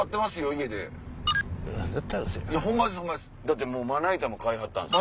だってもうまな板も買いはったんです。